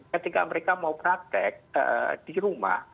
ketika mereka mau praktek di rumah